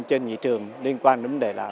trên nghị trường liên quan đến vấn đề là